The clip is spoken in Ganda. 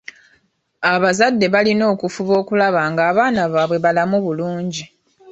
Abazadde balina okufuba okulaba nga abaana baabwe balamu bulungi.